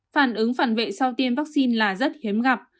phản ứng phản vệ sau tiêm vaccine là rất hiếm gặp